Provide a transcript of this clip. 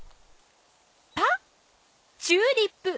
ぱっチューリップ！